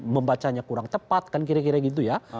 membacanya kurang tepat kan kira kira gitu ya